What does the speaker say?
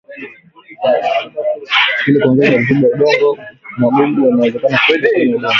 ili kuongeza rutuba ya udongo magugu yanaweza fukiwa kwenye udongo